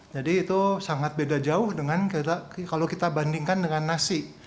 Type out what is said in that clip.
jadi itu sangat beda jauh kalau kita bandingkan dengan nasi